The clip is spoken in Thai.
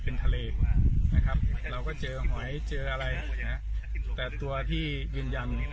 เป็นทะเลนะครับเราก็เจอหอยเจออะไรนะฮะแต่ตัวที่ยืนยัน